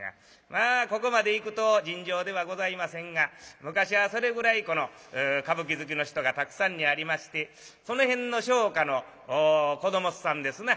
まあここまでいくと尋常ではございませんが昔はそれぐらい歌舞伎好きの人がたくさんにありましてその辺の商家の子どもさんですな